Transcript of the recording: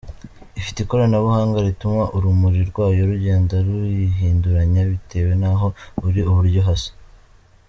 Ifite ikoranabuhanga rituma urumuri rwayo rugenda rwihinduranye bitewe n’aho uri uburyo hasa.